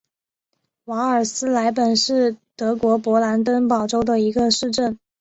瓦尔斯莱本是德国勃兰登堡州的一个市镇。